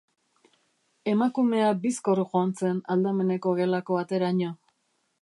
Emakumea bizkor joan zen aldameneko gelako ateraino.